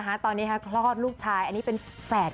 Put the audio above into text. ตอนนี้คลอดลูกชายอันนี้เป็นแฝด